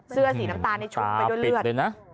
เสื้อสีน้ำตาลชุบไปด้วยเลือดเลยนะ